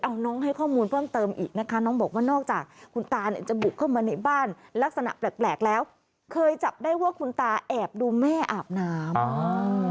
เอาน้องให้ข้อมูลเพิ่มเติมอีกนะคะน้องบอกว่านอกจากคุณตาเนี่ยจะบุกเข้ามาในบ้านลักษณะแปลกแปลกแล้วเคยจับได้ว่าคุณตาแอบดูแม่อาบน้ำอ่า